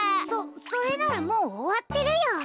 そそれならもうおわってるよ。